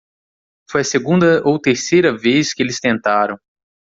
Foi a segunda ou terceira vez que eles tentaram.